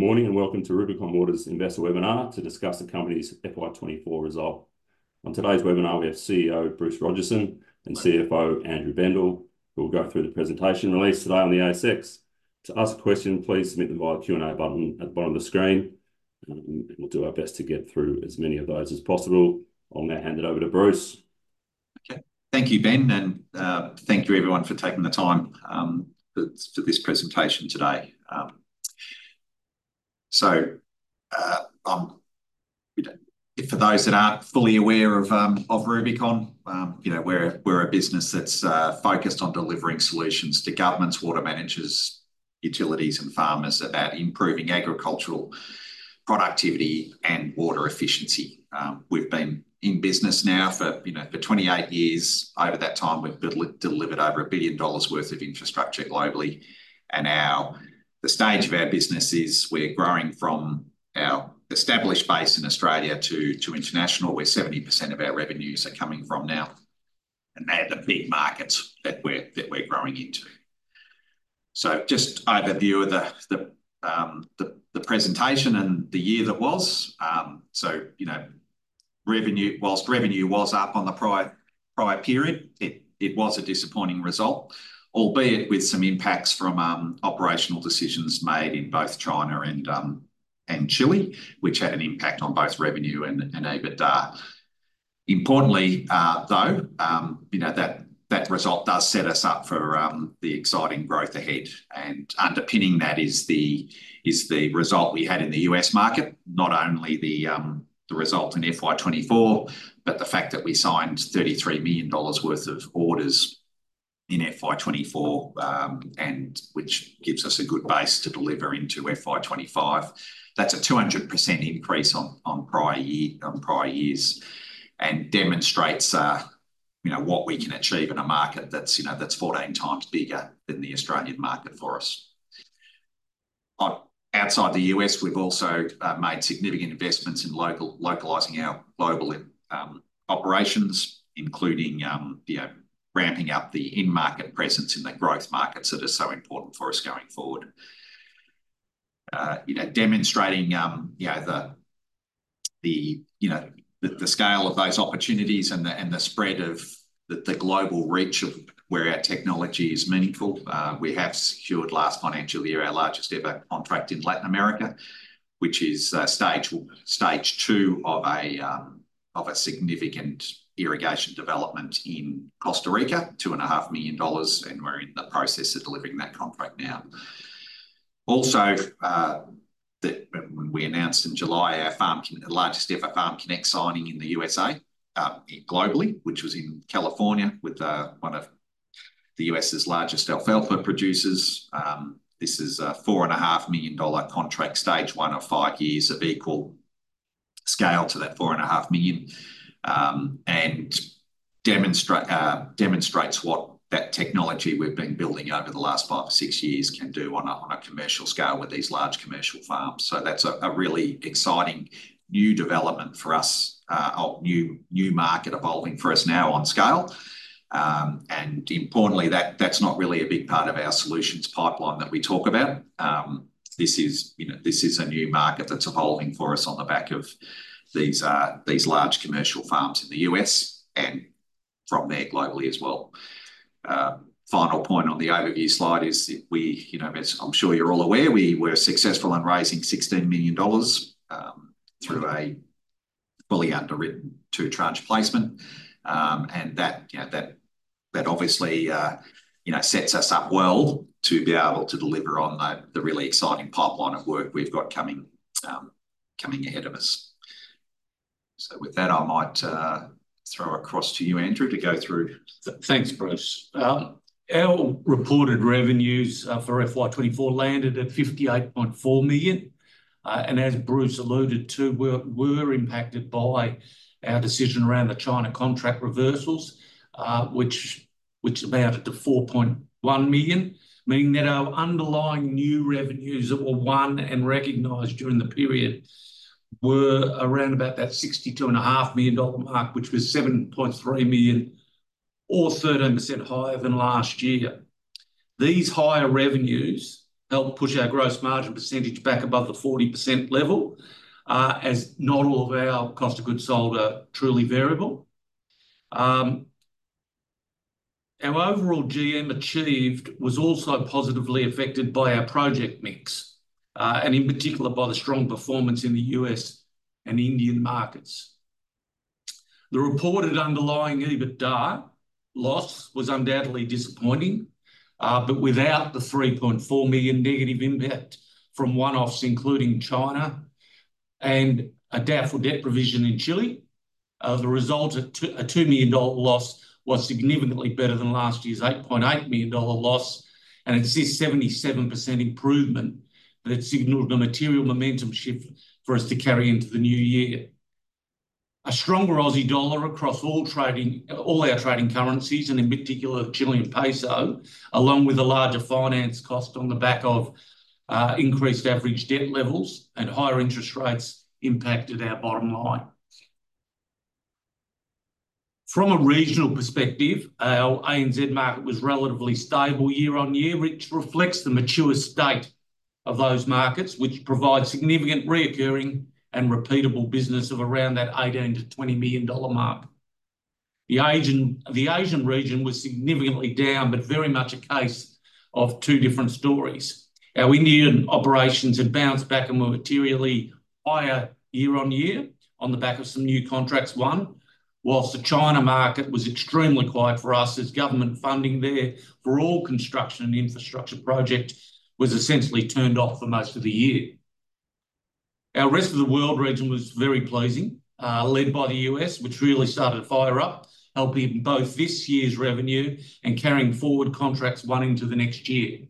Morning and welcome to Rubicon Water's Investor Webinar to discuss the company's FY24 result. On today's webinar, we have CEO Bruce Rodgerson and CFO Andrew Bendall, who will go through the presentation released today on the ASX. To ask a question, please submit them via the Q&A button at the bottom of the screen. We'll do our best to get through as many of those as possible. I'll now hand it over to Bruce. Okay, thank you, Ben, and thank you everyone for taking the time for this presentation today. So for those that aren't fully aware of Rubicon, we're a business that's focused on delivering solutions to governments, water managers, utilities, and farmers about improving agricultural productivity and water efficiency. We've been in business now for 28 years. Over that time, we've delivered over $1 billion worth of infrastructure globally. And now the stage of our business is we're growing from our established base in Australia to international, where 70% of our revenues are coming from now. And they're the big markets that we're growing into. So just overview of the presentation and the year that was. So while revenue was up on the prior period, it was a disappointing result, albeit with some impacts from operational decisions made in both China and Chile, which had an impact on both revenue and EBITDA. Importantly, though, that result does set us up for the exciting growth ahead, and underpinning that is the result we had in the US market, not only the result in FY24, but the fact that we signed 33 million dollars worth of orders in FY24, which gives us a good base to deliver into FY25. That's a 200% increase on prior years, and demonstrates what we can achieve in a market that's 14 times bigger than the Australian market for us. Outside the US, we've also made significant investments in localizing our global operations, including ramping up the in-market presence in the growth markets that are so important for us going forward. Demonstrating the scale of those opportunities and the spread of the global reach of where our technology is meaningful. We have secured last financial year our largest ever contract in Latin America, which is stage two of a significant irrigation development in Costa Rica, $2.5 million, and we're in the process of delivering that contract now. Also, we announced in July our largest ever FarmConnect signing in the USA globally, which was in California with one of the U.S.'s largest alfalfa producers. This is a $4.5 million contract, stage one of five years of equal scale to that $4.5 million, and demonstrates what that technology we've been building over the last five or six years can do on a commercial scale with these large commercial farms. So that's a really exciting new development for us, a new market evolving for us now on scale. Importantly, that's not really a big part of our solutions pipeline that we talk about. This is a new market that's evolving for us on the back of these large commercial farms in the U.S. and from there globally as well. Final point on the overview slide is, I'm sure you're all aware, we were successful in raising 16 million dollars through a fully underwritten two-tranche placement. And that obviously sets us up well to be able to deliver on the really exciting pipeline of work we've got coming ahead of us. With that, I might throw it across to you, Andrew, to go through. Thanks, Bruce. Our reported revenues for FY24 landed at 58.4 million. And as Bruce alluded to, we were impacted by our decision around the China contract reversals, which amounted to 4.1 million, meaning that our underlying new revenues that were won and recognized during the period were around about that 62.5 million dollar mark, which was 7.3 million, or 13% higher than last year. These higher revenues helped push our gross margin percentage back above the 40% level, as not all of our cost of goods sold are truly variable. Our overall GM achieved was also positively affected by our project mix, and in particular by the strong performance in the U.S. and Indian markets. The reported underlying EBITDA loss was undoubtedly disappointing, but without the 3.4 million negative impact from one-offs including China and a doubtful debt provision in Chile, the result, a 2 million dollar loss, was significantly better than last year's 8.8 million dollar loss, and it's this 77% improvement that signaled a material momentum shift for us to carry into the new year. A stronger Aussie dollar across all our trading currencies, and in particular the Chilean peso, along with the larger finance cost on the back of increased average debt levels and higher interest rates impacted our bottom line. From a regional perspective, our ANZ market was relatively stable year on year, which reflects the mature state of those markets, which provides significant recurring and repeatable business of around that 18 million to 20 million dollar mark. The Asian region was significantly down, but very much a case of two different stories. Our Indian operations had bounced back and were materially higher year on year on the back of some new contracts won, while the China market was extremely quiet for us, as government funding there for all construction and infrastructure projects was essentially turned off for most of the year. Our rest of the world region was very pleasing, led by the U.S., which really started to fire up, helping both this year's revenue and carrying forward contracts one into the next year.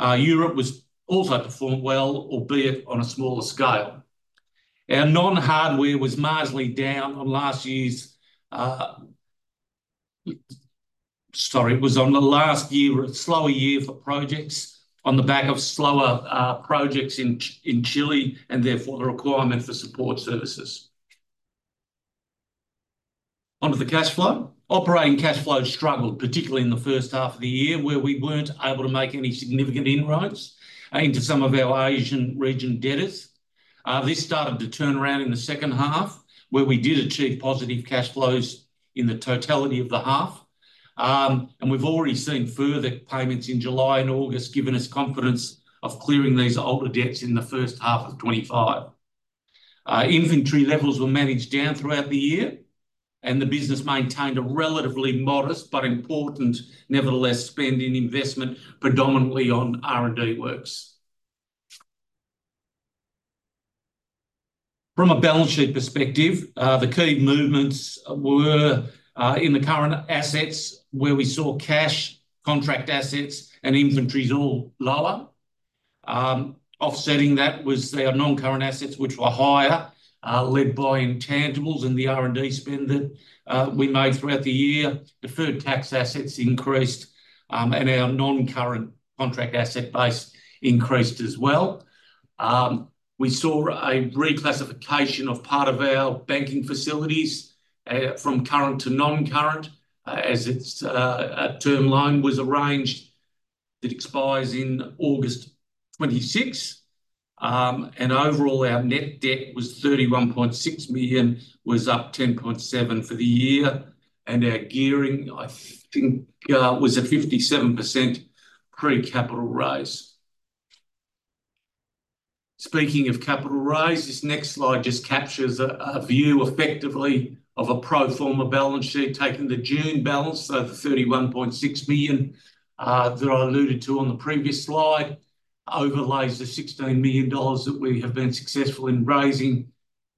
Europe was also performing well, albeit on a smaller scale. Our non-hardware was marginally down on last year's—sorry, it was on the last year, a slower year for projects on the back of slower projects in Chile and therefore the requirement for support services. Onto the cash flow. Operating cash flow struggled, particularly in the first half of the year, where we weren't able to make any significant inroads into some of our Asian region debtors. This started to turn around in the second half, where we did achieve positive cash flows in the totality of the half. And we've already seen further payments in July and August giving us confidence of clearing these older debts in the first half of 2025. Inventory levels were managed down throughout the year, and the business maintained a relatively modest but important, nevertheless, spending investment predominantly on R&D works. From a balance sheet perspective, the key movements were in the current assets, where we saw cash, contract assets, and inventories all lower. Offsetting that was our non-current assets, which were higher, led by intangibles and the R&D spend that we made throughout the year. Deferred tax assets increased, and our non-current contract asset base increased as well. We saw a reclassification of part of our banking facilities from current to non-current as its term loan was arranged. It expires in August 2026. And overall, our net debt was $31.6 million, was up 10.7% for the year, and our gearing, I think, was a 57% pre-capital raise. Speaking of capital raise, this next slide just captures a view effectively of a pro forma balance sheet taking the June balance, so the $31.6 million that I alluded to on the previous slide, overlays the $16 million that we have been successful in raising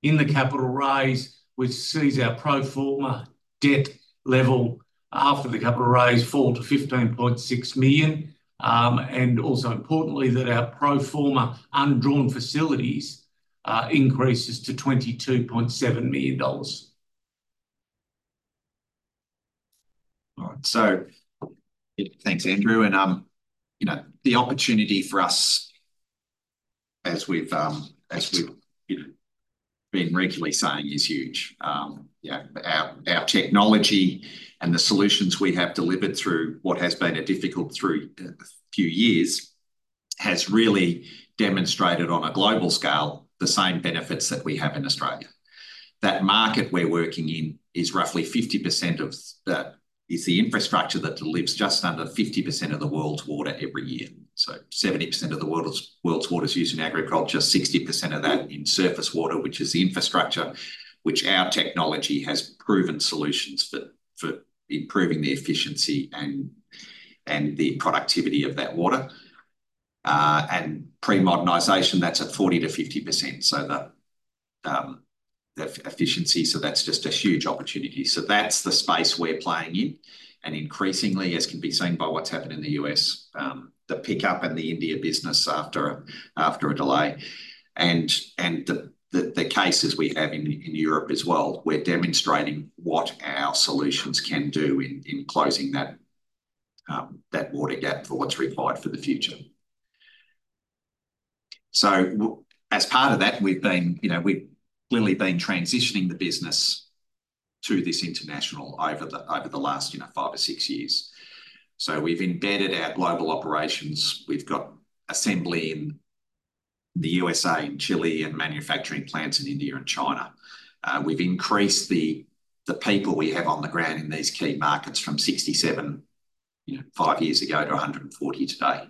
in the capital raise, which sees our pro forma debt level after the capital raise fall to $15.6 million. And also importantly, that our pro forma undrawn facilities increases to $22.7 million. All right, so thanks, Andrew, and the opportunity for us, as we've been regularly saying, is huge. Our technology and the solutions we have delivered through what has been difficult through a few years has really demonstrated on a global scale the same benefits that we have in Australia. That market we're working in is roughly 50% of the infrastructure that delivers just under 50% of the world's water every year. So 70% of the world's water is used in agriculture, 60% of that in surface water, which is the infrastructure, which our technology has proven solutions for improving the efficiency and the productivity of that water, and pre-modernization, that's at 40%-50%, so the efficiency, so that's just a huge opportunity, so that's the space we're playing in. And increasingly, as can be seen by what's happened in the U.S., the pickup and the India business after a delay. And the cases we have in Europe as well, we're demonstrating what our solutions can do in closing that water gap for what's required for the future. So as part of that, we've clearly been transitioning the business to this international over the last five or six years. So we've embedded our global operations. We've got assembly in the USA and Chile and manufacturing plants in India and China. We've increased the people we have on the ground in these key markets from 67 five years ago to 140 today.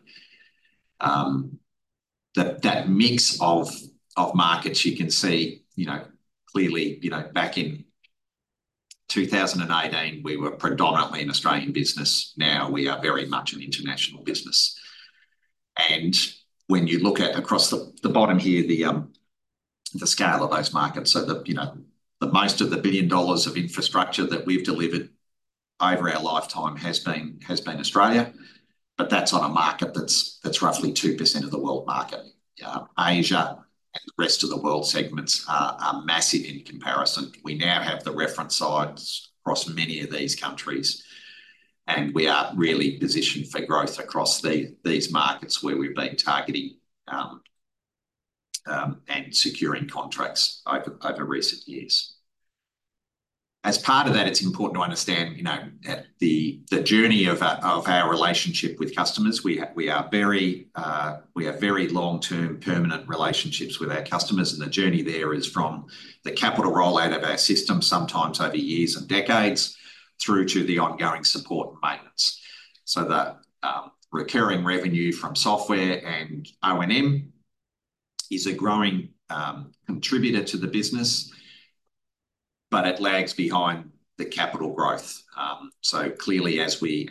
That mix of markets, you can see clearly back in 2018, we were predominantly an Australian business. Now we are very much an international business. And when you look at across the bottom here, the scale of those markets, so that most of the billion dollars of infrastructure that we've delivered over our lifetime has been Australia. But that's on a market that's roughly 2% of the world market. Asia and the rest of the world segments are massive in comparison. We now have the reference sites across many of these countries, and we are really positioned for growth across these markets where we've been targeting and securing contracts over recent years. As part of that, it's important to understand the journey of our relationship with customers. We have very long-term permanent relationships with our customers, and the journey there is from the capital rollout of our system, sometimes over years and decades, through to the ongoing support and maintenance. So the recurring revenue from software and O&M is a growing contributor to the business, but it lags behind the capital growth. So clearly, as we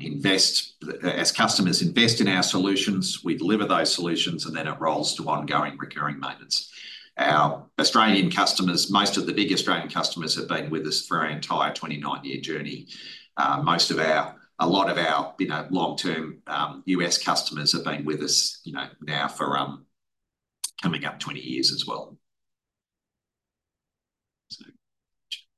invest, as customers invest in our solutions, we deliver those solutions, and then it rolls to ongoing recurring maintenance. Our Australian customers, most of the big Australian customers have been with us for our entire 29-year journey. A lot of our long-term US customers have been with us now for coming up 20 years as well.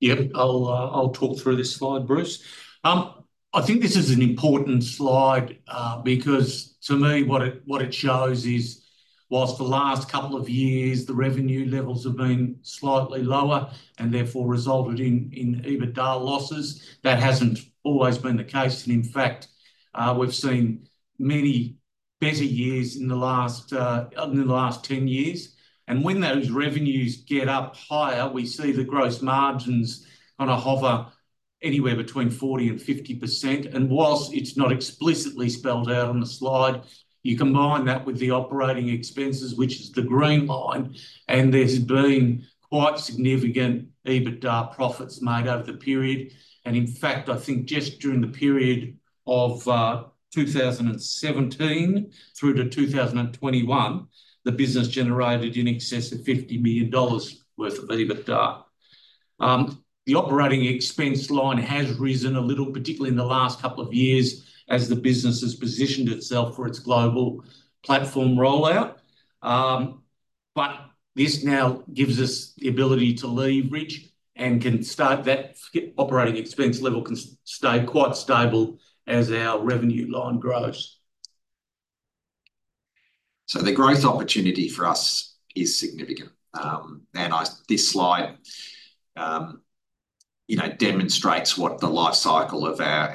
Yeah, I'll talk through this slide, Bruce. I think this is an important slide because to me, what it shows is while the last couple of years, the revenue levels have been slightly lower and therefore resulted in EBITDA losses, that hasn't always been the case. And in fact, we've seen many better years in the last 10 years. And when those revenues get up higher, we see the gross margins kind of hover anywhere between 40%-50%. And while it's not explicitly spelled out on the slide, you combine that with the operating expenses, which is the green line, and there's been quite significant EBITDA profits made over the period. And in fact, I think just during the period of 2017 through to 2021, the business generated in excess of 50 million dollars worth of EBITDA. The operating expense line has risen a little, particularly in the last couple of years as the business has positioned itself for its global platform rollout, but this now gives us the ability to leverage and can start that operating expense level can stay quite stable as our revenue line grows. The growth opportunity for us is significant. This slide demonstrates what the life cycle of our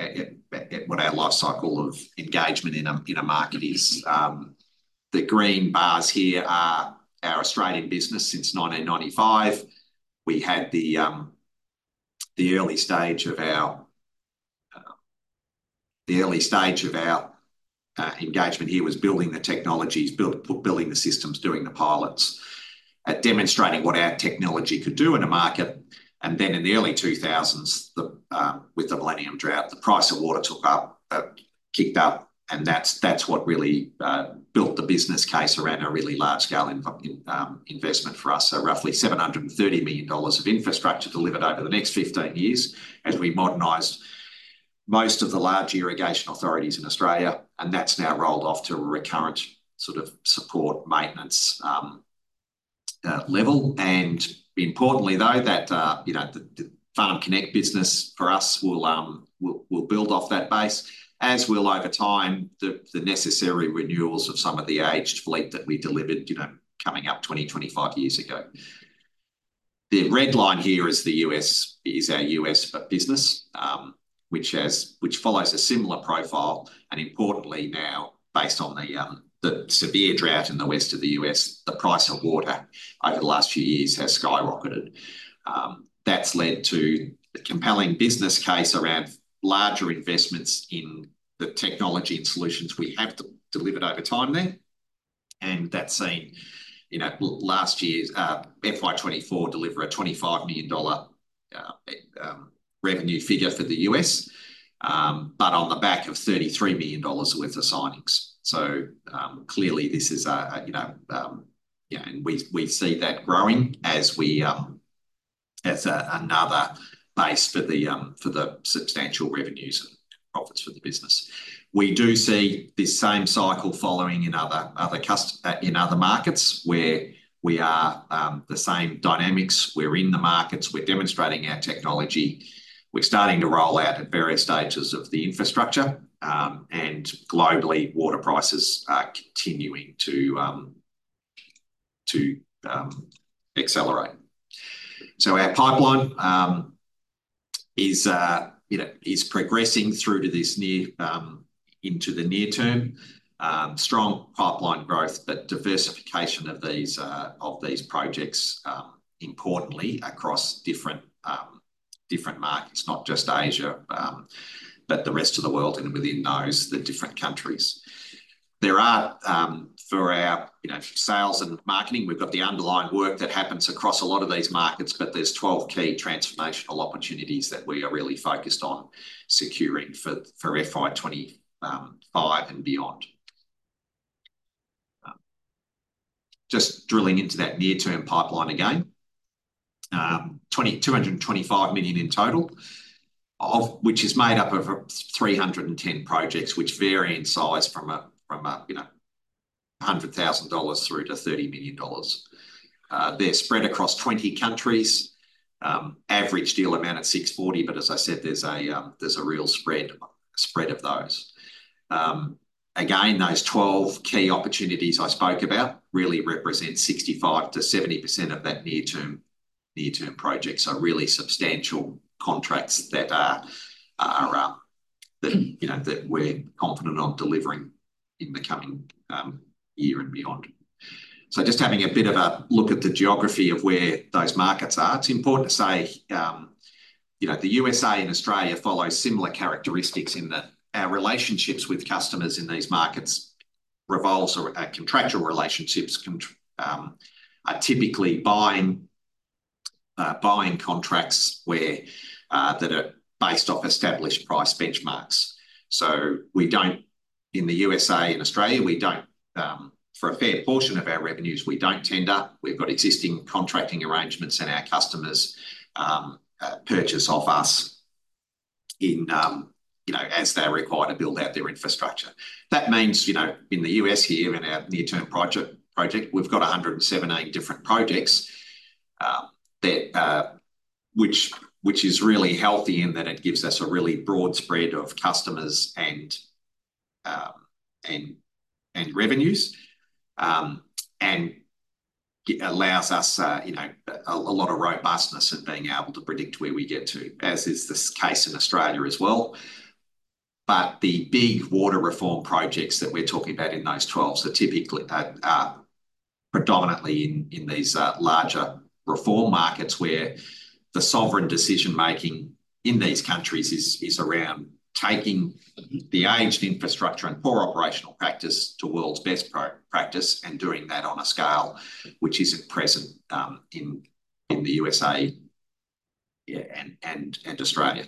engagement in a market is. The green bars here are our Australian business since 1995. We had the early stage of our engagement here was building the technologies, building the systems, doing the pilots, demonstrating what our technology could do in a market. Then in the early 2000s, with the Millennium Drought, the price of water took up, kicked up, and that's what really built the business case around a really large-scale investment for us. Roughly 730 million dollars of infrastructure delivered over the next 15 years as we modernized most of the large irrigation authorities in Australia, and that's now rolled off to a recurrent sort of support maintenance level. And importantly, though, that the FarmConnect business for us will build off that base, as will over time the necessary renewals of some of the aged fleet that we delivered coming up 20, 25 years ago. The red line here is the U.S. is our U.S. business, which follows a similar profile. And importantly now, based on the severe drought in the west of the U.S., the price of water over the last few years has skyrocketed. That's led to a compelling business case around larger investments in the technology and solutions we have delivered over time there. And that's seen last year, FY24 deliver a 25 million dollar revenue figure for the U.S., but on the back of 33 million dollars worth of signings. So clearly, this is a yeah, and we see that growing as we as another base for the substantial revenues and profits for the business. We do see this same cycle following in other markets where we are the same dynamics. We're in the markets. We're demonstrating our technology. We're starting to roll out at various stages of the infrastructure. Globally, water prices are continuing to accelerate. So our pipeline is progressing through to the near term. Strong pipeline growth, but diversification of these projects, importantly, across different markets, not just Asia, but the rest of the world and within those, the different countries. There are, for our sales and marketing, we've got the underlying work that happens across a lot of these markets, but there are 12 key transformational opportunities that we are really focused on securing for FY25 and beyond. Just drilling into that near-term pipeline again, 225 million in total, which is made up of 310 projects, which vary in size from 100,000 dollars through to 30 million dollars. They're spread across 20 countries. Average deal amount at $640, but as I said, there's a real spread of those. Again, those 12 key opportunities I spoke about really represent 65%-70% of that near-term projects. So really substantial contracts that we're confident on delivering in the coming year and beyond. So just having a bit of a look at the geography of where those markets are. It's important to say the USA and Australia follow similar characteristics in that our relationships with customers in these markets revolve around contractual relationships that are typically buying contracts that are based off established price benchmarks. So in the USA and Australia, we don't tender for a fair portion of our revenues. We've got existing contracting arrangements, and our customers purchase off us as they're required to build out their infrastructure. That means in the US here in our near-term project, we've got 117 different projects, which is really healthy in that it gives us a really broad spread of customers and revenues and allows us a lot of robustness in being able to predict where we get to, as is the case in Australia as well. But the big water reform projects that we're talking about in those 12 are typically predominantly in these larger reform markets where the sovereign decision-making in these countries is around taking the aged infrastructure and poor operational practice to world's best practice and doing that on a scale which isn't present in the USA and Australia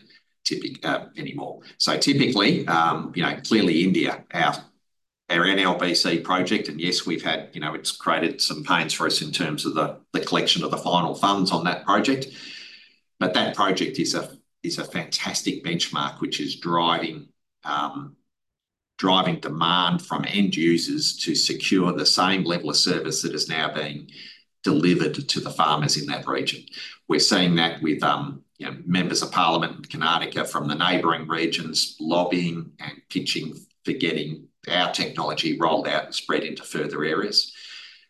anymore. So typically, clearly, India, our NLBC project, and yes, we've had, it's created some pains for us in terms of the collection of the final funds on that project. But that project is a fantastic benchmark, which is driving demand from end users to secure the same level of service that is now being delivered to the farmers in that region. We're seeing that with members of Parliament in Karnataka from the neighboring regions lobbying and pitching for getting our technology rolled out and spread into further areas.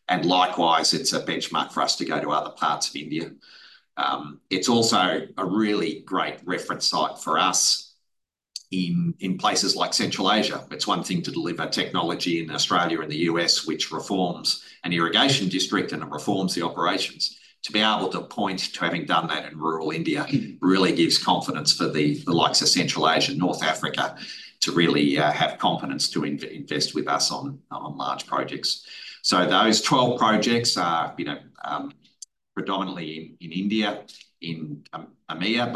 And likewise, it's a benchmark for us to go to other parts of India. It's also a really great reference site for us in places like Central Asia. It's one thing to deliver technology in Australia and the US, which reforms an irrigation district and reforms the operations. To be able to point to having done that in rural India really gives confidence for the likes of Central Asia, North Africa, to really have confidence to invest with us on large projects. Those 12 projects are predominantly in India, in EMEA,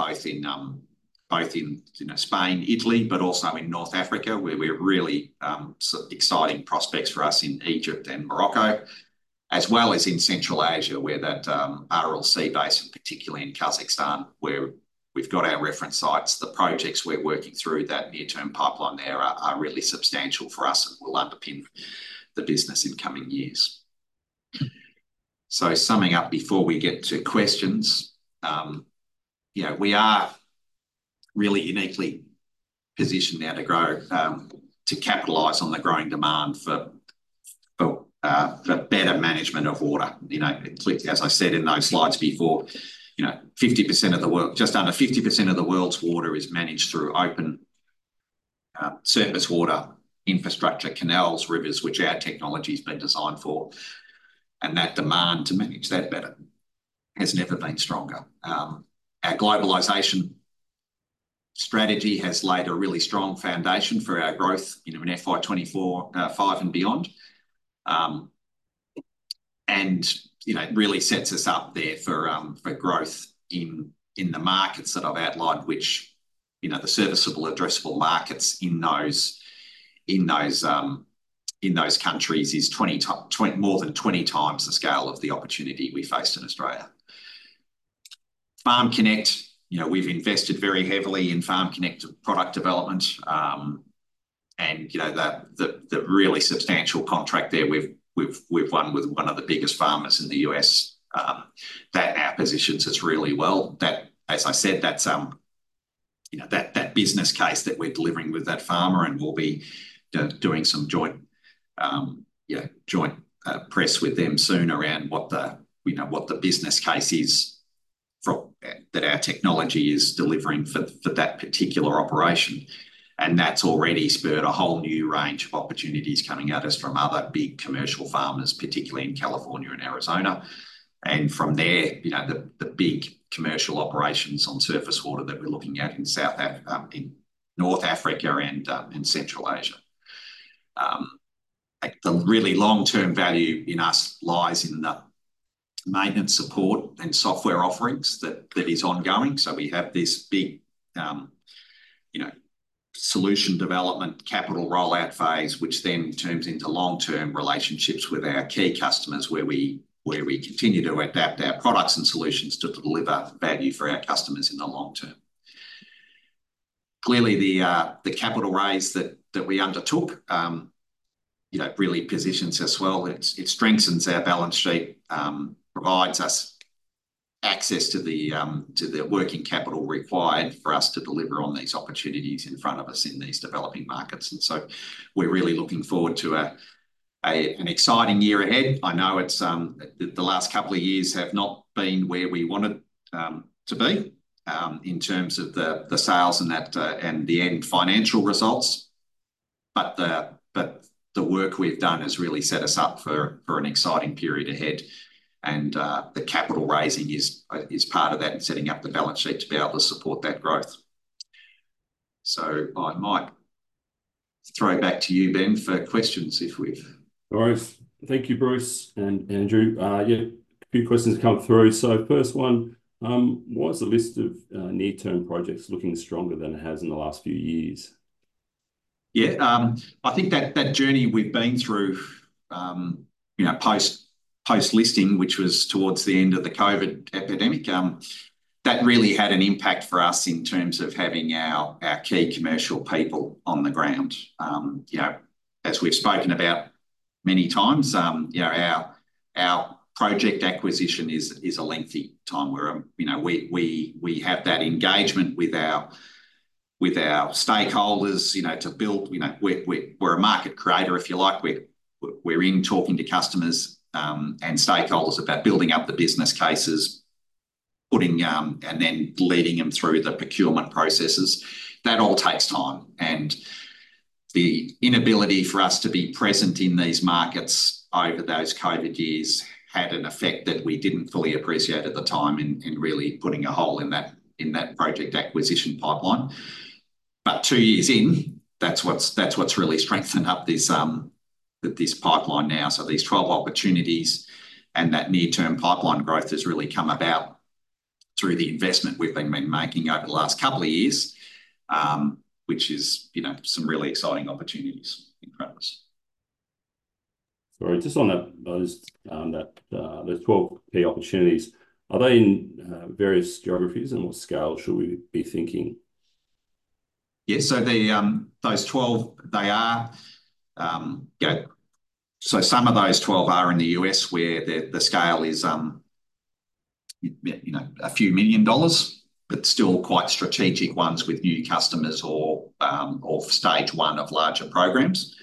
both in Spain, Italy, but also in North Africa, where we have really exciting prospects for us in Egypt and Morocco, as well as in Central Asia, where that Aral Sea Basin, particularly in Kazakhstan, where we've got our reference sites. The projects we're working through, that near-term pipeline there, are really substantial for us and will underpin the business in coming years. Summing up before we get to questions, we are really uniquely positioned now to grow, to capitalize on the growing demand for better management of water. As I said in those slides before, just under 50% of the world's water is managed through open surface water infrastructure, canals, rivers, which our technology has been designed for. That demand to manage that better has never been stronger. Our globalization strategy has laid a really strong foundation for our growth in FY24, FY25 and beyond, and really sets us up there for growth in the markets that I've outlined, which the serviceable addressable markets in those countries is more than 20 times the scale of the opportunity we face in Australia. FarmConnect, we've invested very heavily in FarmConnect product development, and the really substantial contract there we've won with one of the biggest farmers in the U.S. that positions us really well. As I said, that business case that we're delivering with that farmer and we'll be doing some joint press with them soon around what the business case is that our technology is delivering for that particular operation. That's already spurred a whole new range of opportunities coming at us from other big commercial farmers, particularly in California and Arizona. And from there, the big commercial operations on surface water that we're looking at in North Africa and Central Asia. The really long-term value in us lies in the maintenance support and software offerings that is ongoing. So we have this big solution development capital rollout phase, which then turns into long-term relationships with our key customers where we continue to adapt our products and solutions to deliver value for our customers in the long term. Clearly, the capital raise that we undertook really positions us well. It strengthens our balance sheet, provides us access to the working capital required for us to deliver on these opportunities in front of us in these developing markets. And so we're really looking forward to an exciting year ahead. I know the last couple of years have not been where we wanted to be in terms of the sales and the end financial results. But the work we've done has really set us up for an exciting period ahead. And the capital raising is part of that and setting up the balance sheet to be able to support that growth. So I might throw back to you, Ben, for questions if we've. Thank you, Bruce and Andrew. A few questions come through. So first one, why is the list of near-term projects looking stronger than it has in the last few years? Yeah, I think that journey we've been through post-listing, which was towards the end of the COVID epidemic, that really had an impact for us in terms of having our key commercial people on the ground. As we've spoken about many times, our project acquisition is a lengthy time where we have that engagement with our stakeholders to build. We're a market creator, if you like. We're talking to customers and stakeholders about building up the business cases, and then leading them through the procurement processes. That all takes time, and the inability for us to be present in these markets over those COVID years had an effect that we didn't fully appreciate at the time in really putting a hole in that project acquisition pipeline, but two years in, that's what's really strengthened up this pipeline now. These 12 opportunities and that near-term pipeline growth has really come about through the investment we've been making over the last couple of years, which is some really exciting opportunities in front of us. Sorry, just on those 12 key opportunities, are they in various geographies and what scale should we be thinking? Yeah, so those 12, some of those 12 are in the US where the scale is a few million dollars, but still quite strategic ones with new customers or stage one of larger programs.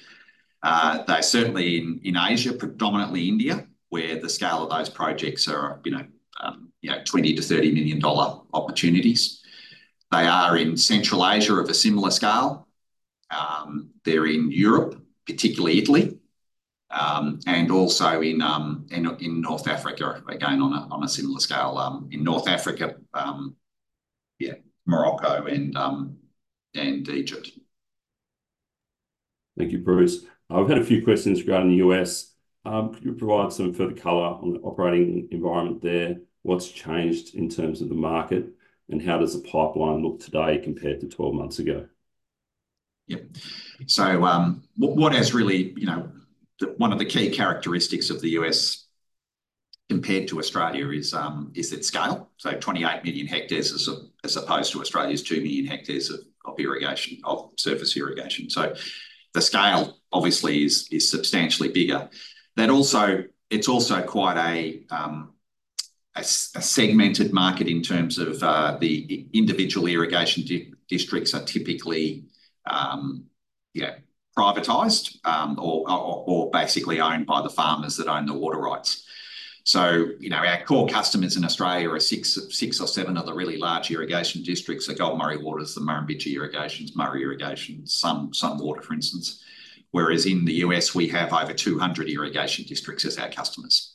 They're certainly in Asia, predominantly India, where the scale of those projects are $20-30 million dollar opportunities. They are in Central Asia of a similar scale. They're in Europe, particularly Italy, and also in North Africa, again, on a similar scale. In North Africa, yeah, Morocco and Egypt. Thank you, Bruce. I've had a few questions regarding the US. Could you provide some further color on the operating environment there? What's changed in terms of the market, and how does the pipeline look today compared to 12 months ago? Yeah. So, what has really one of the key characteristics of the U.S. compared to Australia is its scale. So, 28 million hectares as opposed to Australia's 2 million hectares of irrigation, of surface irrigation. So, the scale, obviously, is substantially bigger. It's also quite a segmented market in terms of the individual irrigation districts are typically privatized or basically owned by the farmers that own the water rights. So, our core customers in Australia are six or seven of the really large irrigation districts: the Goulburn-Murray Water, the Murrumbidgee Irrigation, Murray Irrigation, Sunwater, for instance. Whereas in the U.S., we have over 200 irrigation districts as our customers.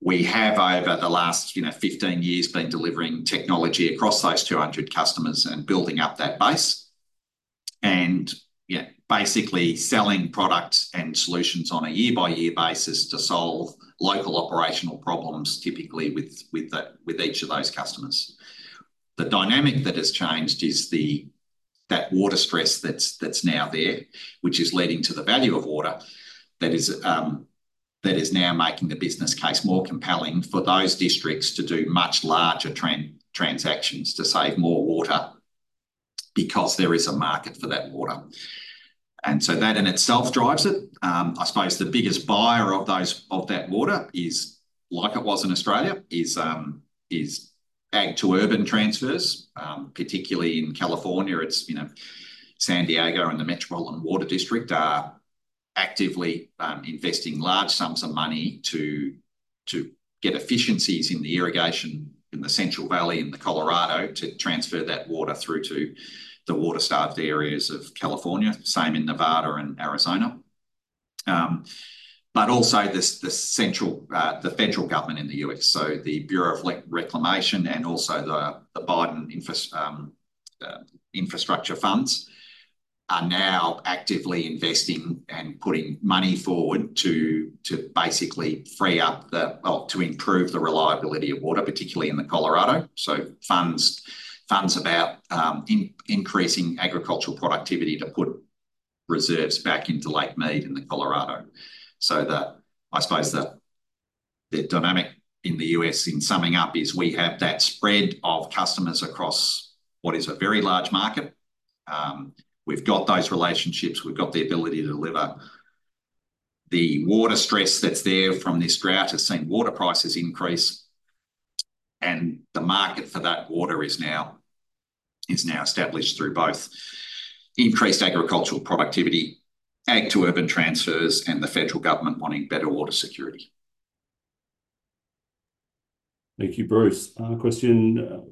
We have, over the last 15 years, been delivering technology across those 200 customers and building up that base, and basically selling products and solutions on a year-by-year basis to solve local operational problems, typically with each of those customers. The dynamic that has changed is that water stress that's now there, which is leading to the value of water that is now making the business case more compelling for those districts to do much larger transactions to save more water because there is a market for that water, and so that in itself drives it. I suppose the biggest buyer of that water, like it was in Australia, is AG to Urban transfers, particularly in California. San Diego and the Metropolitan Water District are actively investing large sums of money to get efficiencies in the irrigation in the Central Valley and the Colorado to transfer that water through to the water-starved areas of California. Same in Nevada and Arizona. But also the central government in the U.S., so the Bureau of Reclamation and also the Biden Infrastructure Funds are now actively investing and putting money forward to basically free up the, well, to improve the reliability of water, particularly in the Colorado. So funds about increasing agricultural productivity to put reserves back into Lake Mead in the Colorado. So I suppose the dynamic in the U.S. in summing up is we have that spread of customers across what is a very large market. We've got those relationships. We've got the ability to deliver. The water stress that's there from this drought has seen water prices increase. And the market for that water is now established through both increased agricultural productivity, ag to urban transfers, and the federal government wanting better water security. Thank you, Bruce. Question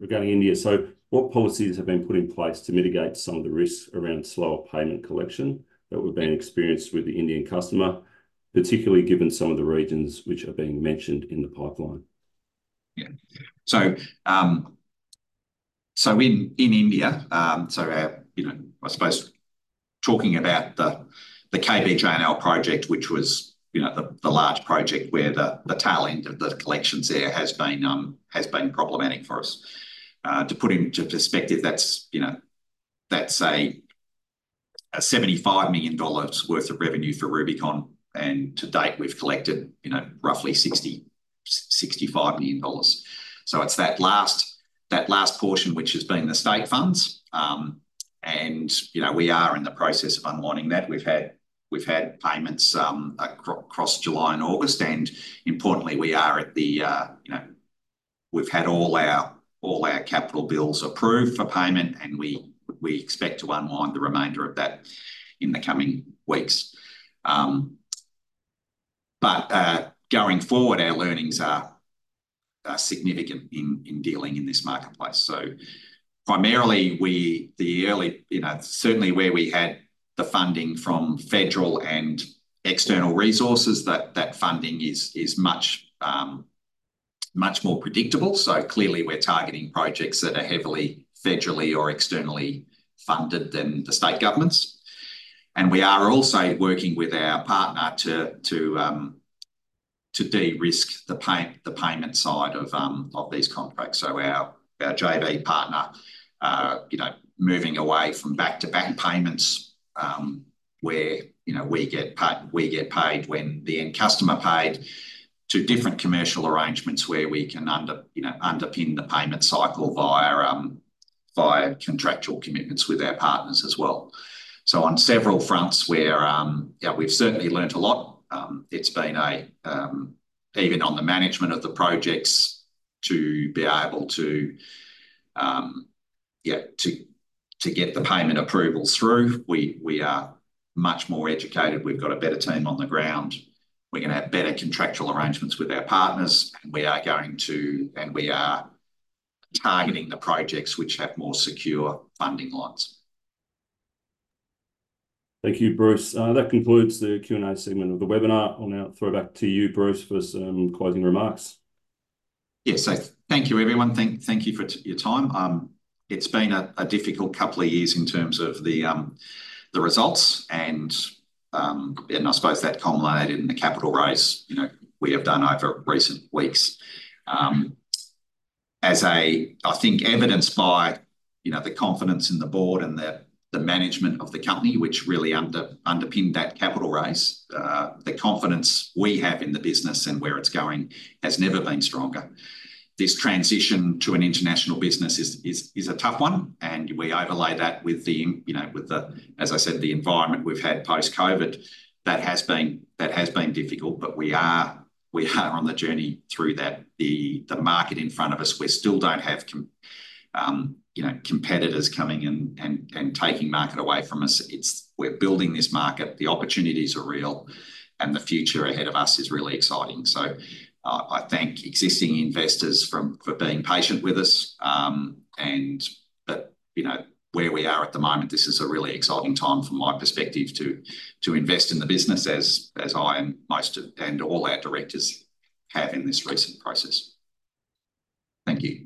regarding India. So what policies have been put in place to mitigate some of the risks around slower payment collection that we've been experiencing with the Indian customer, particularly given some of the regions which are being mentioned in the pipeline? Yeah. So, in India, so I suppose talking about the KBJNL project, which was the large project where the tail end of the collections there has been problematic for us. To put into perspective, that's 75 million dollars worth of revenue for Rubicon. And to date, we've collected roughly 65 million dollars. So it's that last portion which has been the state funds. And we are in the process of unwinding that. We've had payments across July and August. And importantly, we've had all our capital bills approved for payment, and we expect to unwind the remainder of that in the coming weeks. But going forward, our learnings are significant in dealing in this marketplace. So primarily, certainly where we had the funding from federal and external resources, that funding is much more predictable. So clearly, we're targeting projects that are heavily federally or externally funded than the state governments, and we are also working with our partner to de-risk the payment side of these contracts, so our JV partner, moving away from back-to-back payments where we get paid when the end customer paid, to different commercial arrangements where we can underpin the payment cycle via contractual commitments with our partners as well, so on several fronts where we've certainly learned a lot, it's been even on the management of the projects to be able to get the payment approvals through, we are much more educated. We've got a better team on the ground. We're going to have better contractual arrangements with our partners, and we are going to, and we are targeting the projects which have more secure funding lines. Thank you, Bruce. That concludes the Q&A segment of the webinar. I'll now throw back to you, Bruce, for some closing remarks. Yes. Thank you, everyone. Thank you for your time. It's been a difficult couple of years in terms of the results, and I suppose that culminated in the capital raise we have done over recent weeks. As I think evidenced by the confidence in the board and the management of the company, which really underpinned that capital raise, the confidence we have in the business and where it's going has never been stronger. This transition to an international business is a tough one, and we overlay that with the, as I said, the environment we've had post-COVID. That has been difficult, but we are on the journey through that. The market in front of us, we still don't have competitors coming and taking market away from us. We're building this market. The opportunities are real, and the future ahead of us is really exciting. So I thank existing investors for being patient with us. And where we are at the moment, this is a really exciting time from my perspective to invest in the business, as I and all our directors have in this recent process. Thank you.